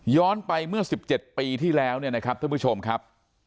ย้อนไปเมื่อ๑๗ปีที่แล้วครับทุกผู้ชมครับ